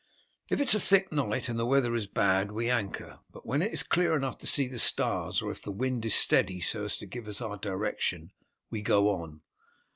"If it is a thick night and the weather is bad we anchor, but when it is clear enough to see the stars, or if the wind is steady so as to give us our direction, we go on.